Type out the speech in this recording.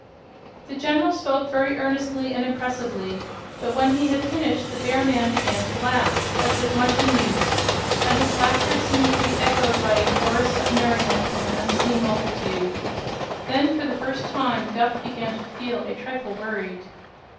The General spoke very earnestly and impressively, but when he had finished the bear man began to laugh as if much amused, and his laughter seemed to be echoed by a chorus of merriment from an unseen multitude. Then, for the first time, Guph began to feel a trifle worried.